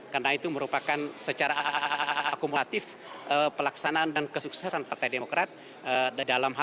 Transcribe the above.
karena itu merupakan secara akumulatif pelaksanaan dan kesuksesan partai demokrat dalam hal mencapai pilkada atau pilihan